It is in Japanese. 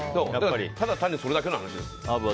ただ単にそれだけの話ですよ。